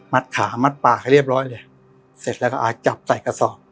ปากและเรียบร้อยเลยเสร็จแล้วก็เอาจับใส่กระสอบ